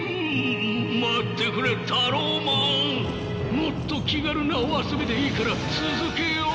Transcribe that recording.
もっと気軽なお遊びでいいから続けよう！